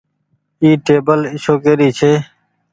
اي ٽيبل اشوڪي ري ڇي۔